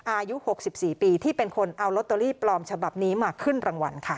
อายุ๖๔ปีที่เป็นคนเอาลอตเตอรี่ปลอมฉบับนี้มาขึ้นรางวัลค่ะ